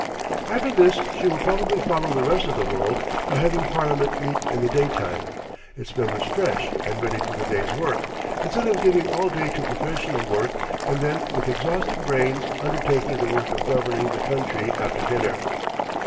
] After this she will probably follow the rest of the world by having Parliament meet in the daytime, its members fresh and ready for the day's work, instead of giving all day to professional work and then with exhausted brains undertaking the work of governing the country after dinner.